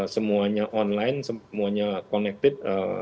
semuanya online semuanya connected